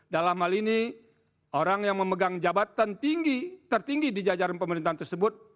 dalam hal ini orang yang memegang jabatan tinggi tertinggi di jajaran pemerintahan tersebut